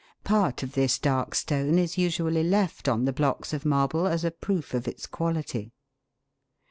Part of this dark stone is usually left on the blocks of marble as a proof of its quality.